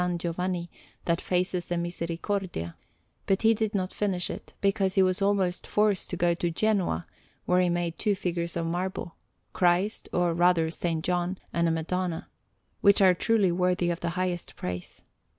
Giovanni that faces the Misericordia; but he did not finish it, because he was almost forced to go to Genoa, where he made two figures of marble, Christ, or rather S. John, and a Madonna, which are truly worthy of the highest praise.